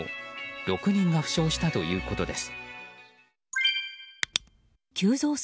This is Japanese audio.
６人が負傷したということです。